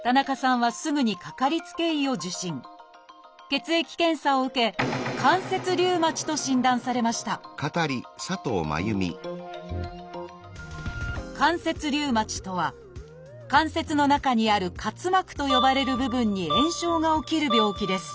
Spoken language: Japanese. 血液検査を受け「関節リウマチ」と診断されました「関節リウマチ」とは関節の中にある「滑膜」と呼ばれる部分に炎症が起きる病気です